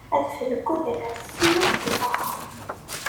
Adfel deg udrar, ssemm-is deg uẓaɣar.